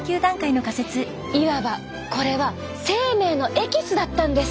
いわばこれは生命のエキスだったんです！